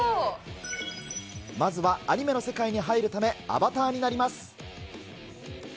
まずはアニメの世界に入るため、アバターになります。